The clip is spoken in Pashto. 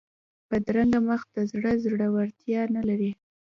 بدرنګه مخ د زړه زړورتیا نه لري